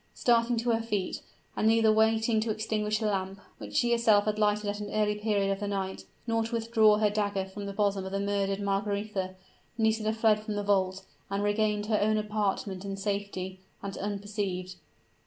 Starting to her feet and neither waiting to extinguish the lamp, which she herself had lighted at an early period of the night, nor to withdraw her dagger from the bosom of the murdered Margaretha Nisida fled from the vault, and regained her own apartment in safety, and unperceived.